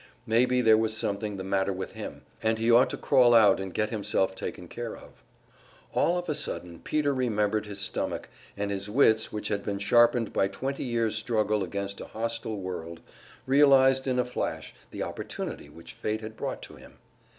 Maybe there was something the matter with him, and he ought to crawl out and get himself taken care of. All of a sudden Peter remembered his stomach; and his wits, which had been sharpened by twenty years' struggle against a hostile world, realized in a flash the opportunity which fate had brought to him.